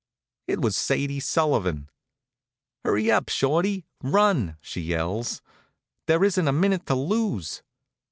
It was Sadie Sullivan. "Hurry up, Shorty! Run!" she yells. "There isn't a minute to lose."